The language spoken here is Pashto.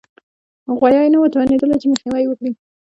غوی نه وو توانېدلي چې مخنیوی یې وکړي